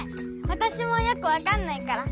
わたしもよくわかんないから。